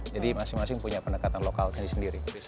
jadi masing masing punya pendekatan lokal sendiri